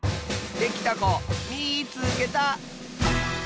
できたこみいつけた！